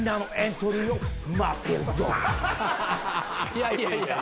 いやいやいや。